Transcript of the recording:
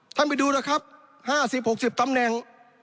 ไปดูนะครับ๕๐๖๐ตำแหน่ง